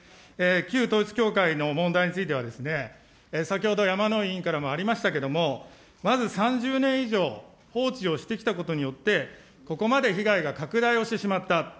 旧統一教会の問題については、先ほど山井委員からもありましたけれども、まず３０年以上放置をしてきたことによって、ここまで被害が拡大をしてしまった。